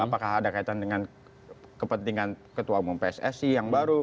apakah ada kaitan dengan kepentingan ketua umum pssi yang baru